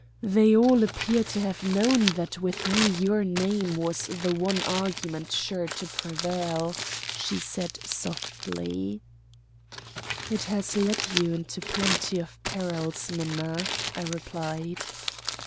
They all appear to have known that with me your name was the one argument sure to prevail," she said softly. "It has led you into plenty of perils, Minna," I replied.